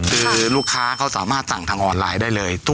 คือลูกค้าเขาสามารถสั่งทางออนไลน์ได้เลย